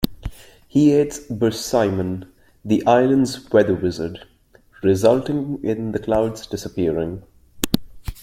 He aids Bersimon, the island's weather wizard, resulting in the clouds disappearing.